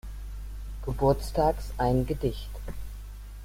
Geburtstags ein Gedicht.